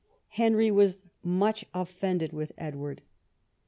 Henry was much offended with Edward.